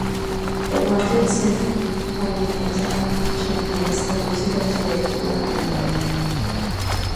The London Sinfonietta champions the music of today from around the world.